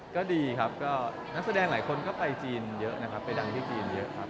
ก็ดีครับก็นักแสดงหลายคนก็ไปจีนเยอะนะครับ